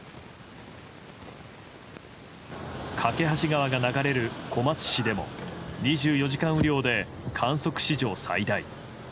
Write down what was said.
梯川が流れる小松市でも２４時間雨量で観測史上最大。